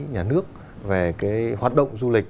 nhà nước về hoạt động du lịch